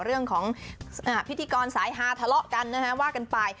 เรื่องของพิธีกรสายฮาทะเลาะกันนะฮะว่ากันไป